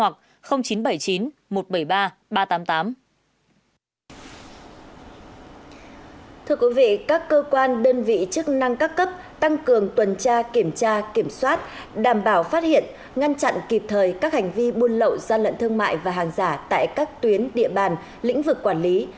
thưa quý vị các cơ quan đơn vị chức năng các cấp tăng cường tuần tra kiểm tra kiểm soát đảm bảo phát hiện ngăn chặn kịp thời các hành vi buôn lậu gian lận thương mại và hàng giả tại các tuyến địa bàn lĩnh vực quản lý